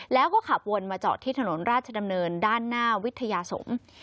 แล้วก็ขับวนมาจอดที่ถนนราชดำเนินด้านหน้าวิทยาสงฆ์